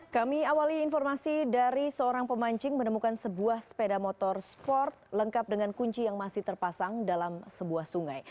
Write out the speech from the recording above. kami awali informasi dari seorang pemancing menemukan sebuah sepeda motor sport lengkap dengan kunci yang masih terpasang dalam sebuah sungai